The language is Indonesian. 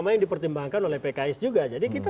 yang dipertimbangkan oleh pks juga jadi kita